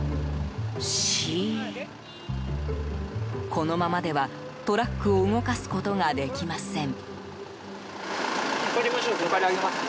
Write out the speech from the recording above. このままでは、トラックを動かすことができません。